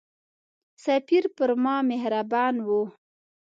سفیر پر ما مهربان وو.